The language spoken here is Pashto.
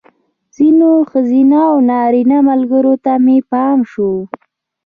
ځینو ښځینه او نارینه ملګرو ته مې پام شو.